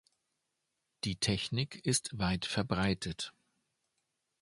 Die Technik ist weit verbreitet.